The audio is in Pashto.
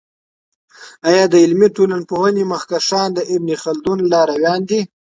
آیا د علمي ټولپوهني مخکښان د ابن خلدون لارویان دی؟